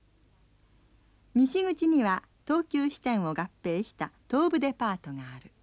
西口には東急支店を合併した東武デパートがある。